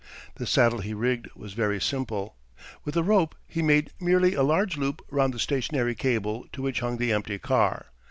The saddle he rigged was very simple. With the rope he made merely a large loop round the stationary cable, to which hung the empty car.